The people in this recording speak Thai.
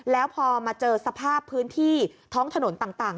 แล้วพอมาเจอสภาพพื้นที่ท้องถนนต่าง